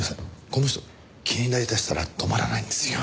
この人気になりだしたら止まらないんですよ。